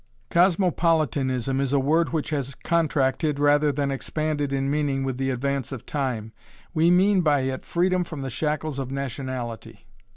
Cosmopolitanism is a word which has contracted rather than expanded in meaning with the advance of time. We mean by it freedom from the shackles of nationality.